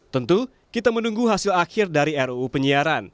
tentu kita menunggu hasil akhir dari ruu penyiaran